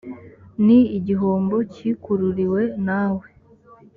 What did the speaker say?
ni igihombo cyikururiwe na we